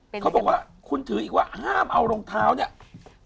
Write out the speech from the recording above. เขาบอกว่าคุณถืออีกว่าห้ามเอารองเท้าเนี่ย